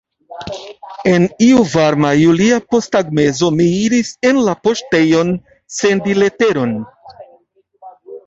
En iu varma julia posttagmezo mi iris en la poŝtejon sendi leteron.